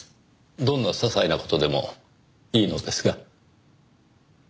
どんな些細な事でもいいのですが。